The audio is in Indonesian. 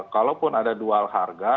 kalaupun ada dual harga